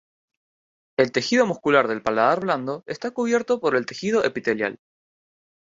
El tejido muscular del paladar blando está cubierto por el tejido epitelial.